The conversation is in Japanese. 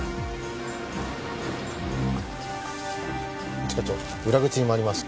一課長裏口に回ります。